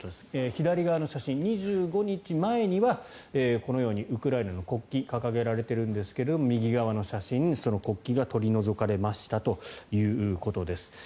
左側の写真、２５日前にはこのようにウクライナの国旗が掲げられているんですが右側の写真ではその国旗が取り除かれましたということです。